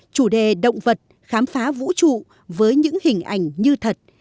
chủ đề động vật khám phá vũ trụ với những hình ảnh như thật